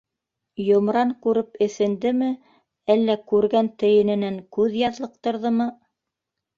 Йомран күреп эҫендеме, әллә күргән тейененән күҙ яҙлыҡтырҙымы?